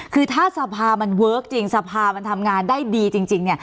คือถ้าสภามันเวิร์คจริงสภามันทำงานได้ดีจริงเนี่ย